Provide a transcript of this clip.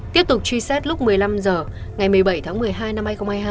tiếp tục truy xét lúc một mươi năm h ngày một mươi bảy tháng một mươi hai năm hai nghìn hai mươi hai